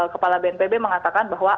kepala bnpb mengatakan bahwa